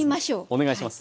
お願いします。